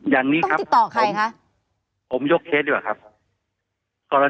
อย่างนี้ครับผมยกเคสดีกว่าครับต้องติดต่อใครครับ